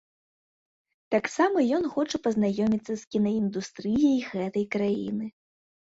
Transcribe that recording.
Таксама ён хоча пазнаёміцца з кінаіндустрыяй гэтай краіны.